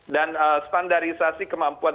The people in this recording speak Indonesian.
dan standarisasi kemampuan